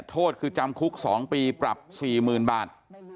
โทษคือจำคุก๒ปีปรับ๔๐๐๐บาท